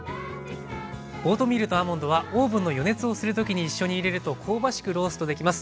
オートミールとアーモンドはオーブンの予熱をする時に一緒に入れると香ばしくローストできます。